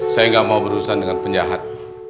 saya nggak mau berurusan dengan penjahat